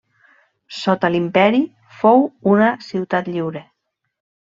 Sota l'imperi fou una ciutat lliure.